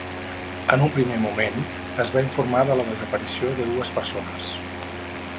En un primer moment, es va informar de la desaparició de dues persones.